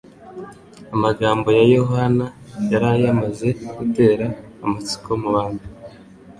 Amagambo ya Yohana yari yamaze gutera amatsiko mu bantu.